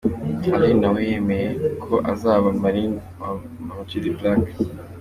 Aline nawe yemeye ko azaba Marraine wa Ama G The Black.